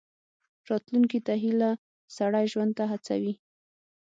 راتلونکي ته هیله، سړی ژوند ته هڅوي.